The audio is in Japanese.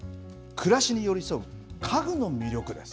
暮らしに寄り添う家具の魅力です。